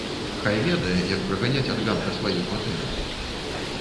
Хай ведае, як праганяць ад ганка сваёй кватэры!